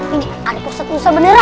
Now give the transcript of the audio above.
ini adik ustadz musa beneran